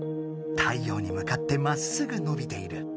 太陽にむかってまっすぐのびている。